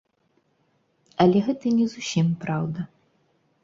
Але гэта не зусім праўда.